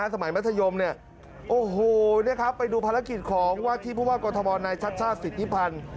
สมัยมัธยมเนี่ยโอ้โหไปดูภารกิจของวาดที่ผู้ว่ากรทมนายชัดชาติสิทธิพันธ์